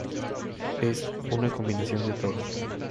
Es una combinación de todo".